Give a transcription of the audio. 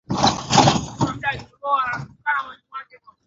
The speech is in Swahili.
Raha jipe mwenyewe